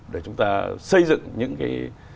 để chúng ta xây dựng những cái